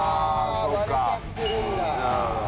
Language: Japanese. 割れちゃってるんだ。